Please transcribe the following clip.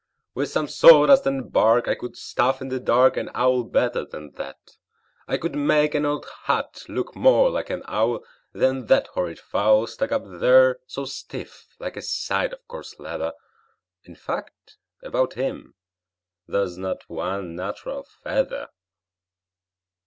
"With some sawdust and bark I could stuff in the dark An owl better than that. I could make an old hat Look more like an owl Than that horrid fowl, Stuck up there so stiff like a side of coarse leather. In fact, about him there's not one natural feather."